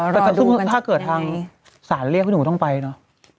ค่ะถ้าเกิดทางสารเรียกคุณคงต้องไปเนอะ